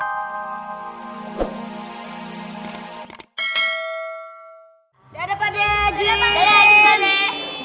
dadah pak deh jin